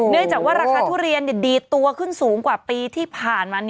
เนื่องจากว่าราคาทุเรียนดีดตัวขึ้นสูงกว่าปีที่ผ่านมา